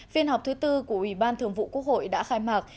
phiên họp thứ tư của ủy ban thường vụ quốc hội đã khai mạc